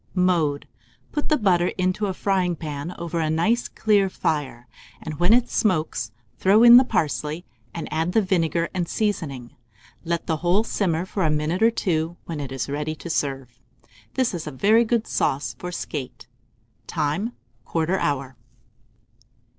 Mode. Put the butter into a fryingpan over a nice clear fire, and when it smokes, throw in the parsley, and add the vinegar and seasoning. Let the whole simmer for a minute or two, when it is ready to serve. This is a very good sauce for skate. Time. 1/4 hour.